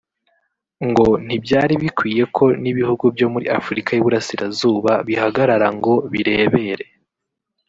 ngo ntibyari bikwiye ko n’ibihugu byo muri Afurika y’iburasirazuba bihagarara ngo birebere